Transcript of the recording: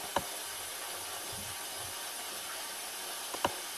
Los retratos realistas reaparecieron en Borgoña y Francia.